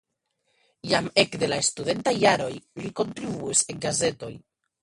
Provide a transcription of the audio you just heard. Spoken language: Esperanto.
Jam ekde la studentaj jaroj li kontribuis en gazetoj.